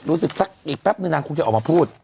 รู้สึกซักอีกแป๊บนึงนางคุณจะออกมาพูด